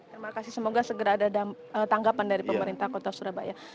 terima kasih semoga segera ada tanggapan dari pemerintah kota surabaya